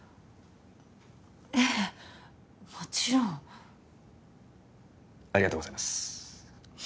ええもちろんありがとうございます